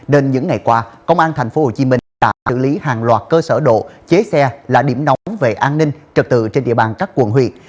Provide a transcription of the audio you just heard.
nên những ngày qua công an thành phố hồ chí minh đã xử lý hàng loạt cơ sở đổ chế xe là điểm nóng về an ninh trật tự trên địa bàn các quần huyệt